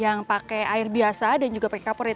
yang pakai air biasa dan juga pakai kaporite